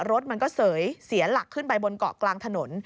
รถมันก็เสยเสียหลักขึ้นไปบนเกาะกลางถนน